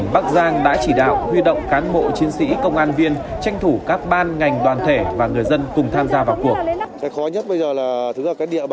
bắc giang đã chỉ đạo huy động cán bộ chiến sĩ công an viên tranh thủ các ban ngành đoàn thể và người dân cùng tham gia vào cuộc